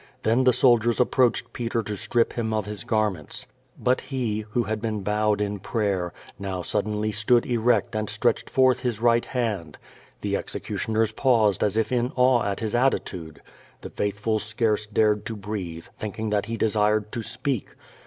Then the soldiers approached Peter to strip him of his garments. But he, who had been bowed in prayer, now suddenly stood erect and stretched forth his right hand. The executioners paused as if in awe at his attitude. The faithful scarce dared to breathe, thinking that he desired to speak.